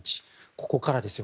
ここからですよ。